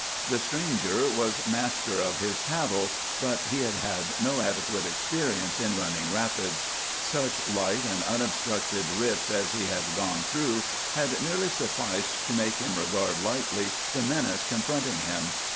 The stranger was master of his paddle, but he had had no adequate experience in running rapids. Such light and unobstructed rips as he had gone through had merely sufficed to make him regard lightly the menace confronting him.